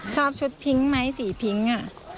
ชอบชุดพิ้งไหมสีพิ้งอ่ะ